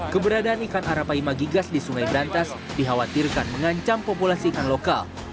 keberadaan ikan arapaima gigas di sungai berantas dikhawatirkan mengancam populasi ikan lokal